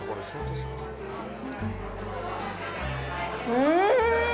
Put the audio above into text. うん！